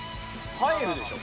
入るでしょ。